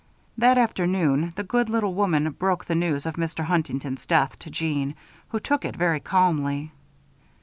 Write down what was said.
That afternoon, the good little woman broke the news of Mr. Huntington's death to Jeanne, who took it very calmly.